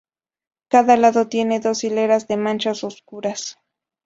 Cada lado tiene dos hileras de manchas oscuras.